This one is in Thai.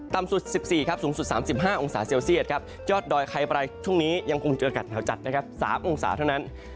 สุด๑๔ครับสูงสุด๓๕องศาเซลเซียตครับยอดดอยใครไปช่วงนี้ยังคงเจออากาศหนาวจัดนะครับ๓องศาเท่านั้น